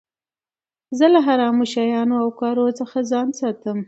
زه له حرامو شيانو او کارو څخه ځان ساتم.